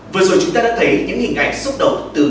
vừa rồi chúng ta đã thấy những hình ảnh xúc động từ